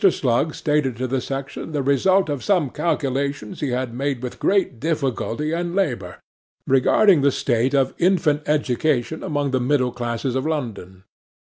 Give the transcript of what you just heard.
SLUG stated to the section the result of some calculations he had made with great difficulty and labour, regarding the state of infant education among the middle classes of London.